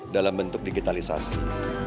dalam bentuk digitalisasi